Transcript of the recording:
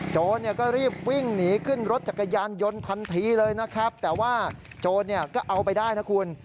โจรเนี่ยก็รีบวิ่งหนีขึ้นรถจักรยานยนต์ทันทีเลยนะครับแต่ว่าโจรเนี่ยก็เอาไปได้นะคุณ